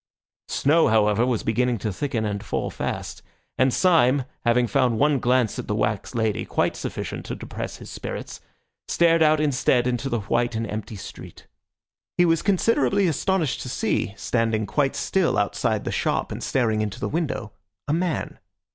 Snow, however, began to thicken and fall fast; and Syme, having found one glance at the wax lady quite sufficient to depress his spirits, stared out instead into the white and empty street. He was considerably astonished to see, standing quite still outside the shop and staring into the window, a man.